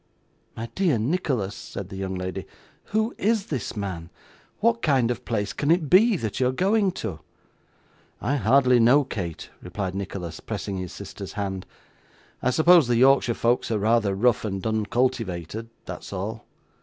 'My dear Nicholas,' said the young lady, 'who is this man? What kind of place can it be that you are going to?' 'I hardly know, Kate,' replied Nicholas, pressing his sister's hand. 'I suppose the Yorkshire folks are rather rough and uncultivated; that's all.